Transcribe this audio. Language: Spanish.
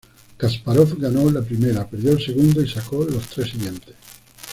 Kasparov ganó la primera, perdió el segundo, y sacó los tres siguientes.